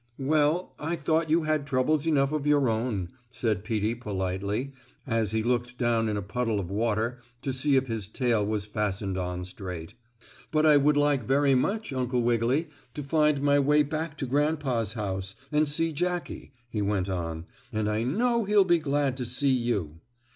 "Well, I thought you had troubles enough of your own," said Peetie politely, as he looked down in a puddle of water to see if his tail was fastened on straight. "But I would like very much, Uncle Wiggily, to find my way back to grandpa's house, and see Jackie," he went on. "And I know he'll be glad to see you."